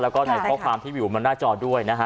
และในข้อความที่อยู่บนหน้าจอด้วยนะคะ